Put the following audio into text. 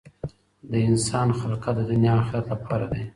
د انسان خلقت د دنیا او آخرت لپاره دی.